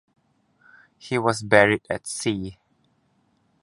He was buried at sea.